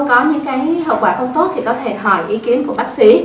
có những cái hậu quả không tốt thì có thể hỏi ý kiến của bác sĩ